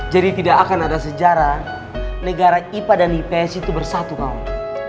jadi tidak akan ada sejarah negara ipa dan ipps itu bersatu kawan